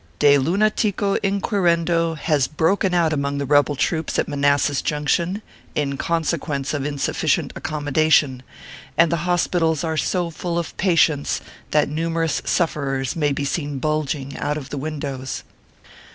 De lunatico inquirendo has broken out among the rebel troops at Manassas Junction, in consequence of insufficient accommodation, and the hospitals are so full of patients that numerous sufferers may be seen bulging out of the windows.